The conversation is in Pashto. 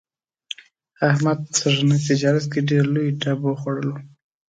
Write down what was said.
احمد په سږني تجارت کې ډېر لوی ډب وخوړلو.